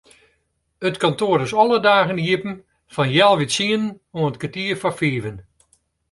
It kantoar is alle dagen iepen fan healwei tsienen oant kertier foar fiven.